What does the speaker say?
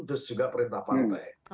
terus juga perintah partai